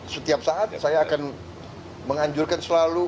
setiap saat saya akan menganjurkan selalu